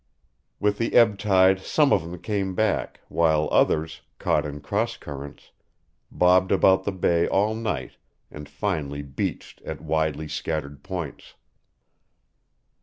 With the ebb tide some of them came back, while others, caught in cross currents, bobbed about the Bay all night and finally beached at widely scattered points.